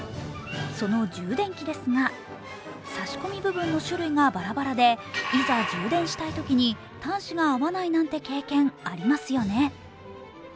その充電器ですが、差し込み部分の種類がバラバラでいざ充電したいときに端子が合わないなんて経験ありますよね。